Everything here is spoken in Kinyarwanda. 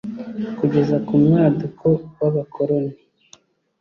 kugeza ku mwaduko w’Abakoloni